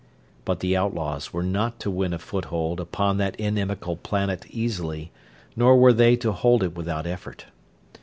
But the outlaws were not to win a foothold upon that inimical planet easily, nor were they to hold it without effort.